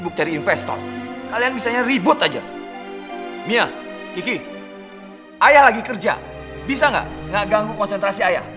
pak rt akan saya bawa ke kantor polisi